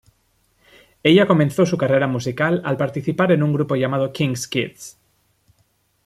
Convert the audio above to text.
Ella comenzó su carrera musical al participar en un grupo llamado King's Kids.